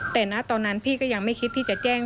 แต่นะตอนนั้นพี่ก็ยังไม่คิดที่จะแจ้ง